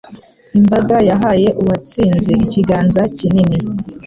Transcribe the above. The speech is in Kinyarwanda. Imbaga yahaye uwatsinze ikiganza kinini.